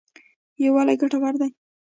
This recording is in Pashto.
یوالی ګټور دی.